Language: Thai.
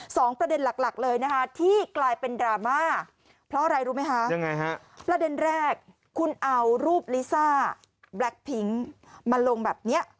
สองประเด็นหลักเลยนะคะที่กลายเป็นดราม่า